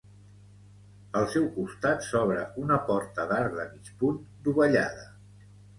Al seu costat s'obre una porta d'arc de mig punt dovellada.